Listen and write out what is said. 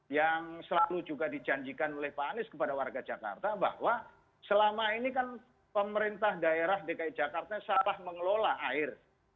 yang selalu juga dijanjikan oleh pak anies kepada warga jakarta bahwa selama ini kan pemerintah daerah dki jakarta salah mengelola air